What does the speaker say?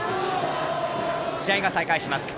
試合が再開します。